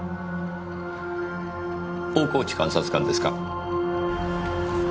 大河内監察官ですか？